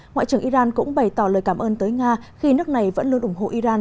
ngoại trưởng iran cũng bày tỏ lời cảm ơn tới nga khi nước này vẫn luôn ủng hộ iran